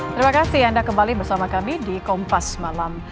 terima kasih anda kembali bersama kami di kompas malam